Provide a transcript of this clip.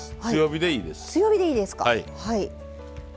強火でいいですか。